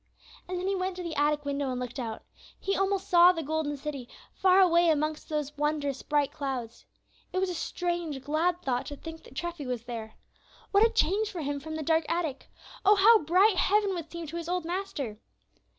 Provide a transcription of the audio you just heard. And then he went to the attic window and looked out. He almost saw the golden city, far away amongst those wondrous, bright clouds. It was a strange, glad thought, to think that Treffy was there. What a change for him from the dark attic! Oh, how bright heaven would seem to his old master!